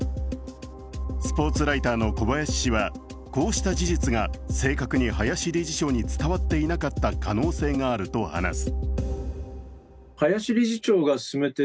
スポーツライターの小林氏はこうした事実が正確に林理事長に伝わっていなかった可能性があると話す。